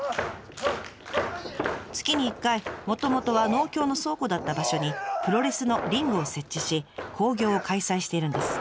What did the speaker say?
月に１回もともとは農協の倉庫だった場所にプロレスのリングを設置し興行を開催しているんです。